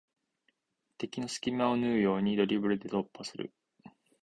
敵の隙間を縫うようにドリブルで突破する